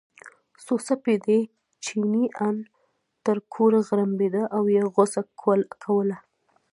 خو سپی دی، چیني ان تر کوره غړمبېده او یې غوسه کوله.